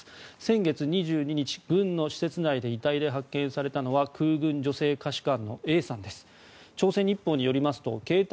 先月２２日、軍の施設内で遺体で発見されたのは空軍女性下士官のＡさんです。